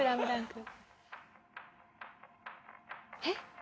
えっ？